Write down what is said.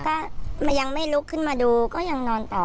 ก็ยังไม่ลุกขึ้นมาดูก็ยังนอนต่อ